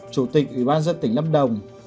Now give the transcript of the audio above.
chủ tịch ủy ban dân tỉnh lâm đồng